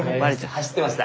走ってました。